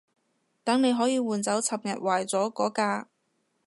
等你可以換走尋日壞咗嗰架